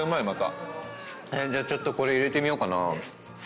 じゃあちょっとこれ入れてみようかな。